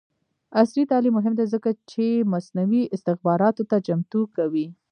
عصري تعلیم مهم دی ځکه چې مصنوعي استخباراتو ته چمتو کوي.